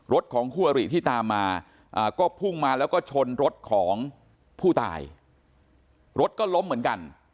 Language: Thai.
ของคู่อริที่ตามมาก็พุ่งมาแล้วก็ชนรถของผู้ตายรถก็ล้มเหมือนกัน